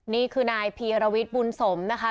นี่คือนายพีรวิทย์บุญสมนะคะ